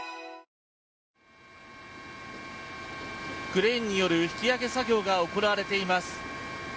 クレーンによる引き揚げ作業が行われています。